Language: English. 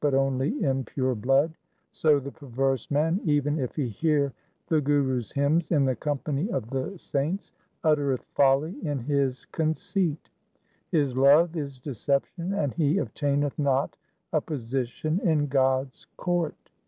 BHAI GUR DAS'S ANALYSIS 259 milk but only impure blood, so the perverse man, even if he hear the Guru's hymns in the company of the saints, uttereth folly in his conceit. His love is deception and he obtaineth not a position in God's court.